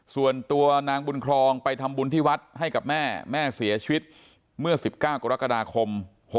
ส่วนตัวนางบุญครองไปทำบุญที่วัดให้กับแม่แม่เสียชีวิตเมื่อ๑๙กรกฎาคม๖๖